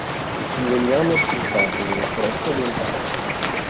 Il legname è sfruttato nelle foreste orientali.